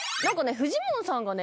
フジモンさんがね